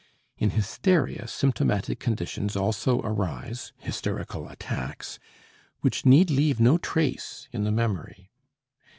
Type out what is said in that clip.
In hysteria symptomatic conditions also arise (hysterical attacks) which need leave no trace in the memory.